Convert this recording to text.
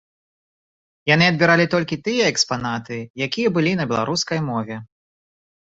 Яны адбіралі толькі тыя экспанаты, якія былі на беларускай мове.